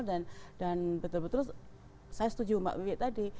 dan betul betul saya setuju mbak wiby tadi